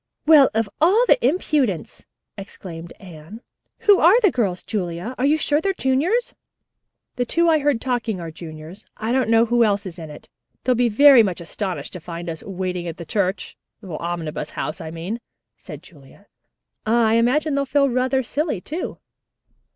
"Well, of all impudence!" exclaimed Anne. "Who are the girls, Julia? Are you sure they're juniors?" "The two I heard talking are juniors. I don't know who else is in it. They'll be very much astonished to find us 'waiting at the church' Omnibus House, I mean," said Julia, "and I imagine they'll feel rather silly, too."